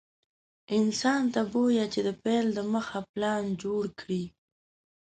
انسان ته بويه چې د پيل دمخه پلان جوړ کړي.